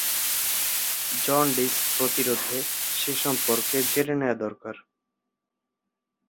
Jaundice প্রতিরোধে সে সম্পর্ক জেনে নেওয়া দরকার।